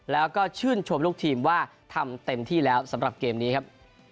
แล้วก็ชื่นชมลูกทีมว่าทำเต็มที่แล้วสำหรับเกมนี้ครับ